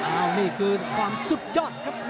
เอานี่คือความสุดยอดครับ